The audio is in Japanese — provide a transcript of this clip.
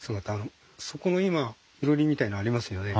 そこの今いろりみたいのありますよね。